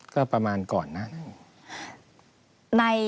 ก็ประมาณก่อนนะ